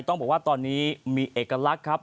ต้องบอกว่าตอนนี้มีเอกลักษณ์ครับ